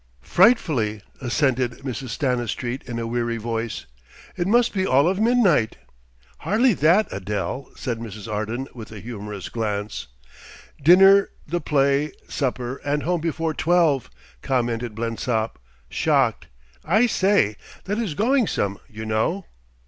"Frightfully," assented Mrs. Stanistreet in a weary voice. "It must be all of midnight." "Hardly that, Adele," said Mrs. Arden with a humorous glance. "Dinner, the play, supper, and home before twelve!" commented Blensop, shocked. "I say, that is going some, you know."